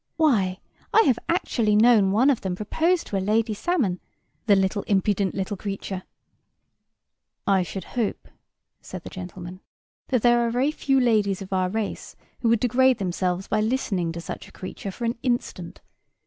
"Why, I have actually known one of them propose to a lady salmon, the little impudent little creature." [Picture: Trout and salmon] "I should hope," said the gentleman, "that there are very few ladies of our race who would degrade themselves by listening to such a creature for an instant.